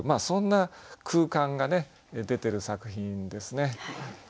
そんな空間が出てる作品ですね。